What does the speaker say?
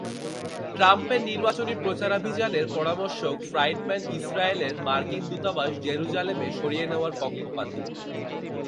ট্রাম্পের নির্বাচনী প্রচারাভিযানের পরামর্শক ফ্রাইডম্যান ইসরায়েলের মার্কিন দূতাবাস জেরুজালেমে সরিয়ে নেওয়ার পক্ষপাতী।